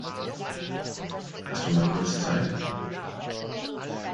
Hast du mal kurz Zeit?